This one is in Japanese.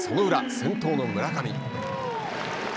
先頭の村上。